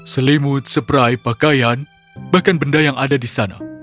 selimut sepray pakaian bahkan benda yang ada di sana